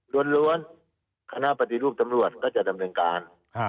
ล้วนคณะปฏิรูปตำรวจก็จะดำเนินการ